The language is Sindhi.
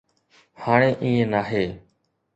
هاڻي ائين ناهي.